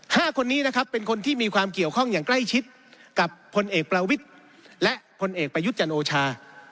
ห้าคนนี้นะครับเป็นคนที่มีความเกี่ยวข้องอย่างใกล้ชิดกับพลเอกประวิทย์และพลเอกประยุทธ์จันโอชา